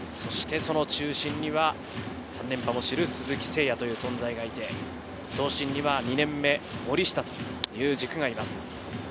その中心には３連覇を知る鈴木誠也という存在がいて、投手陣には２年目、森下という軸がいます。